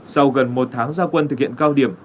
sau gần một tháng gia quân thực hiện cao điểm